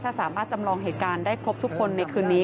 ถ้าสามารถจำลองเหตุการณ์ได้ครบทุกคนในคืนนี้